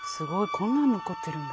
こんなの残ってるんだ。